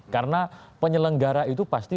karena penyelenggara itu pasti